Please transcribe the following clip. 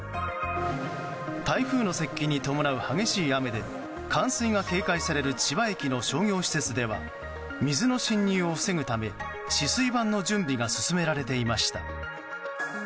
台風の接近に伴う激しい雨で冠水が警戒される千葉駅の商業施設では水の侵入を防ぐため止水板の準備が進められていました。